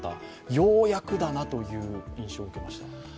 ようやくだなという印象を受けました。